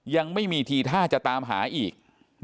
ยังไม่มีทีท่าจะตามหาอีก